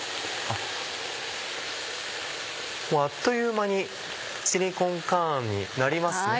もうあっという間にチリコンカーンになりますね。